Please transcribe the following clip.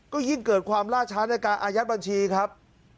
ก็ยิ่งเกิดความล่าช้าในการอายัดบัญชีครับ